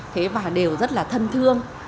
thế và đều rất là thân thương